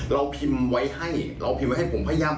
เราพิมพ์ไว้ให้เราพิมพ์ไว้ให้ผมพยายาม